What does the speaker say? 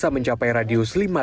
mencapai radius lima ratus meter